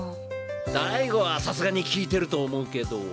大吾はさすがに聞いてると思うけど。